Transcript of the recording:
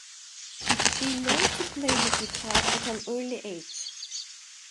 She learned to play the guitar at an early age.